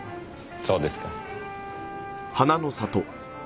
そうですか。